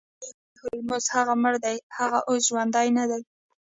ښاغلی هولمز هغه مړ دی هغه اوس ژوندی ندی